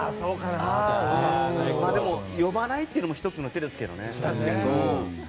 でも、呼ばないってのも１つの手ですよね。